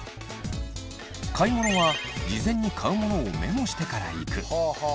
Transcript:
買い物は事前に買うものをメモしてから行く。